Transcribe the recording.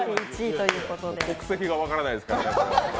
国籍が分からないですからね。